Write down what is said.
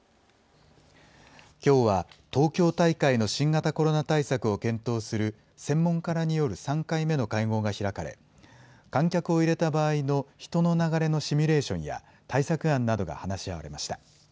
きょうは、東京大会の新型コロナ対策を検討する、専門家らによる３回目の会合が開かれ、観客を入れた場合の人の流れのシミュレーションや、対策案などが話し合われました。